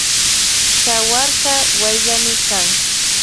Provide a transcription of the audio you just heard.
Chawarka wayllami kan.